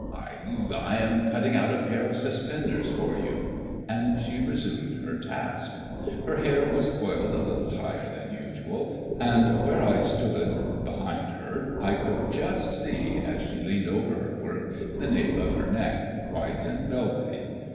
"I I am cutting out a pair of suspenders for you;" and she resumed her task. Her hair was coiled a little higher than usual; and where I stood, behind her, I could just see, as she leaned over her work, the nape of her neck, white and velvety.